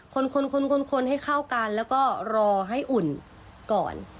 คนคนให้เข้ากันแล้วก็รอให้อุ่นก่อน